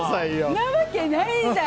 んなわけないじゃん！